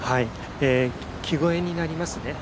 木越えになりますね。